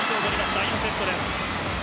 第４セットです。